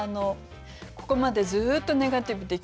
ここまでずっとネガティブで来た。